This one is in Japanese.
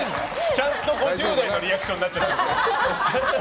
ちゃんと５０代のリアクションになってる。